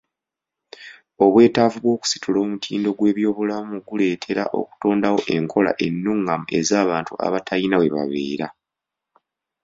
Obwetaavu bw'okusitula omutindo gw'ebyobulamu guleetera okutondawo enkola ennungamu ez'abantu abatayina we babeera.